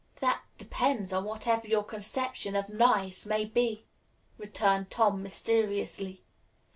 "That depends on whatever your conception of 'nice' may be," returned Tom mysteriously.